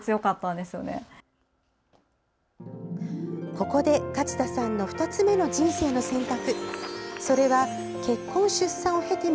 ここで、勝田さんの２つ目の「人生の選択」。